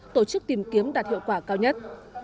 tổ chức tìm kiếm đạt hiệu quả cao nhất